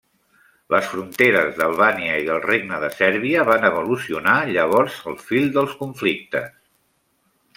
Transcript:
Les fronteres d'Albània i del Regne de Sèrbia van evolucionar llavors al fil dels conflictes.